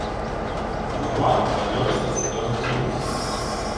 Горват бадьористо заторохтів: